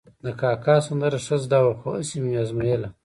د کاکا سندره ښه زده وه، خو هسې مې ازمایله.